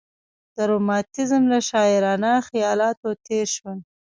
د رومانتیزم له شاعرانه خیالاتو تېر شول.